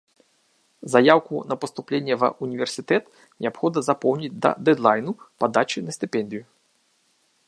Заяўку на паступленне ва універсітэт неабходна запоўніць да дэдлайну падачы на стыпендыю.